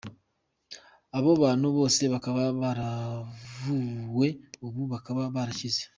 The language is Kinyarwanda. Abo bantu bose bakaba baravuwe ubu bakaba barakize.